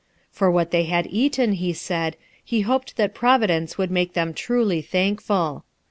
For what they had eaten, he said, he hoped that Providence would make them truly thankful.